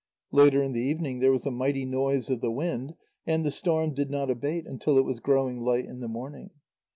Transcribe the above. Later in the evening, there was a mighty noise of the wind, and the storm did not abate until it was growing light in the morning.